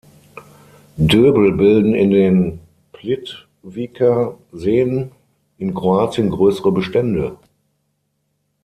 Döbel bilden in den Plitvicer Seen in Kroatien größere Bestände.